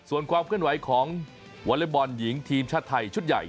ส่วนความเคลื่อนไหวของวอเล็กบอลหญิงทีมชาติไทยชุดใหญ่